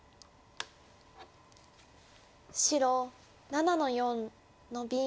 白７の四ノビ。